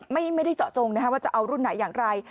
ไม่ได้เจาะจงว่าจะเอารุ่นไหนอย่างไร